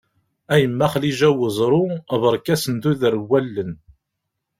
A yemma Xliǧa n Uẓru, berka asenduder n wallen.